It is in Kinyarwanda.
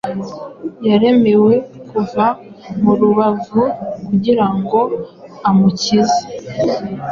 yaremewe kuva mu rubavu kugirango amukize